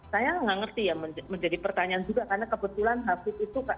saya nggak ngerti ya menjadi pertanyaan juga karena kebetulan hafid itu